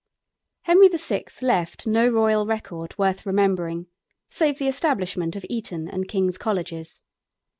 Henry VI. left no royal record worth remembering save the establishment of Eton and King's Colleges.